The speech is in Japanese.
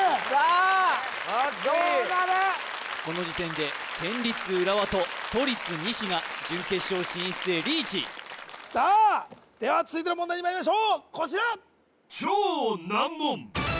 この時点で県立浦和と都立西が準決勝進出へリーチさあでは続いての問題にまいりましょうこちら！